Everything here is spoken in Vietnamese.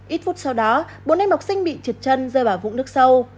ít phút sau đó bốn em học sinh bị trượt chân rơi vào vũng nước sâu